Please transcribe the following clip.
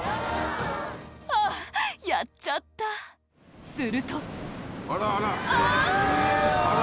あぁやっちゃったするとあぁ！